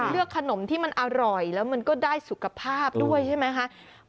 เลือกขนมที่มันอร่อยแล้วมันก็ได้สุขภาพด้วยใช่ไหมคะ